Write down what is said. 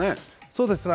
そうですね。